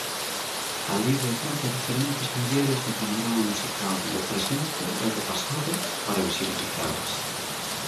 Alí retrata diferentes mulleres do panorama musical, do presente e do pasado, para visibilizalas.